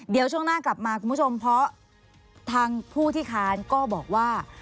เดี๋ยวช่วงหน้ากลับมาคุณผู้ชมเพราะทางผู้ที่ค้านก็บอกว่า